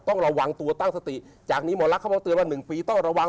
ต้องระวังตัวตั้งสติ